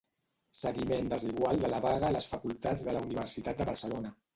Seguiment desigual de la vaga a les facultats de la Universitat de Barcelona.